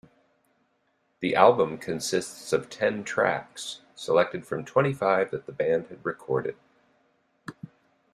The album consists of ten tracks, selected from twenty-five that the band had recorded.